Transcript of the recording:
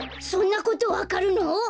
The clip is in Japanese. そんなことわかるの！？